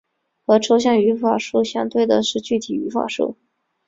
和抽象语法树相对的是具体语法树。